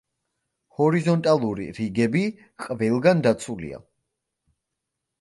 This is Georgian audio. ჰორიზონტალური რიგები ყველგან დაცულია.